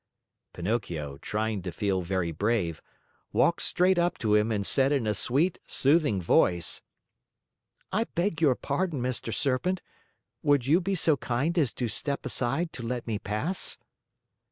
Pinocchio, trying to feel very brave, walked straight up to him and said in a sweet, soothing voice: "I beg your pardon, Mr. Serpent, would you be so kind as to step aside to let me pass?"